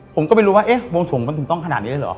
ผมก็ไม่รู้ว่าเอ๊ะบวงสวงมันถึงต้องขนาดนี้เลยเหรอ